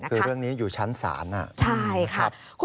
คือเรื่องนี้อยู่ชั้นสาร